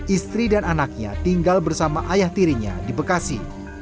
istri dan anaknya tinggal bersama ayah tirinya di bekasi